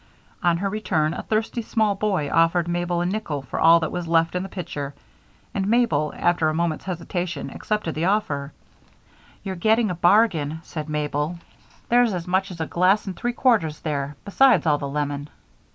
On her return, a thirsty small boy offered Mabel a nickel for all that was left in the pitcher, and Mabel, after a moment's hesitation, accepted the offer. "You're getting a bargain," said Mabel. "There's as much as a glass and three quarters there, besides all the lemon."